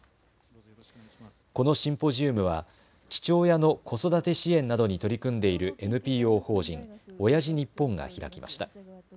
このシンポジウムは父親の子育て支援などに取り組んでいるＮＰＯ法人おやじ日本が開きました。